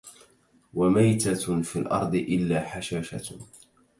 وميتة في الأرض إلا حشاشة